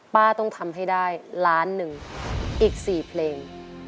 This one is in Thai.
ต้องทำให้ได้ล้านหนึ่งอีก๔เพลง